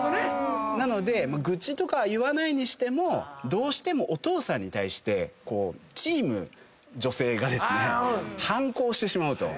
なので愚痴とか言わないにしてもどうしてもお父さんに対してこうチーム女性がですね反抗してしまうと。